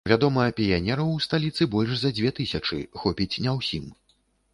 Вядома, піянераў у сталіцы больш за дзве тысячы, хопіць не ўсім.